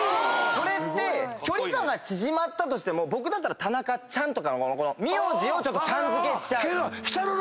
これ距離感が縮まったとしても僕だったらタナカちゃんとか名字をちゃん付けしちゃう。